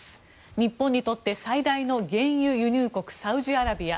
日本にとって最大の原油輸入国サウジアラビア。